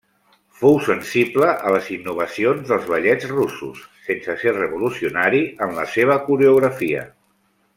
Fou sensible a les innovacions dels ballets russos, sense ser revolucionari en la seva coreografia.